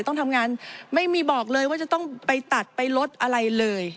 ต้องทำงานไม่มีบอกเลยว่าจะต้องไปตัดไปลดอะไรเลย